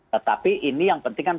tetapi ini yang pentingkan